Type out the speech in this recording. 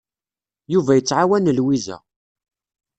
Yuba yettɛawan Lwiza.